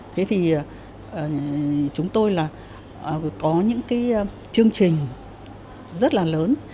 thế thì chúng tôi là có những cái chương trình rất là lớn